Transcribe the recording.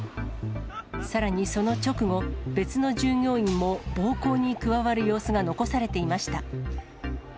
さらにその直後、別の従業員も暴行に加わる様子が残されていました。